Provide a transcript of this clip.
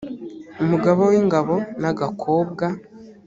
umugaba w ingabo n agakobwa